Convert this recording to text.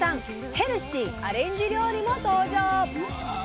ヘルシーアレンジ料理も登場！